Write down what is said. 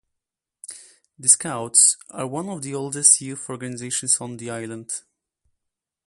The Scouts are one of the oldest youth organizations on the island.